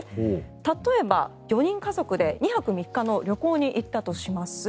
例えば、４人家族で２泊３日の旅行に行ったとします。